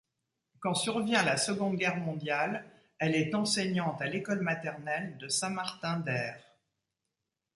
Quand survient la Seconde Guerre mondiale, elle est enseignante à l'école maternelle de Saint-Martin-d'Hères.